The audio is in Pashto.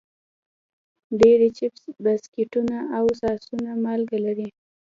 ډېری چپس، بسکټونه او ساسونه مالګه لري.